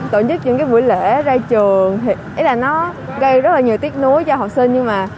tổ chức những cái buổi lễ ra trường thì là nó gây rất là nhiều tiếc nuối cho học sinh nhưng mà